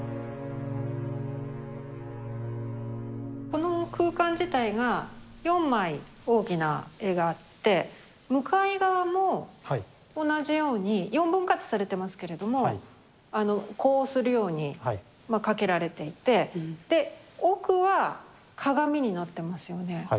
この空間自体が４枚大きな絵があって向かい側も同じように４分割されてますけれどもあの呼応するようにまあ掛けられていてで奥は鏡になってますよね。